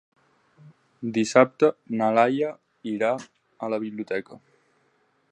Dissabte na Laia irà a la biblioteca.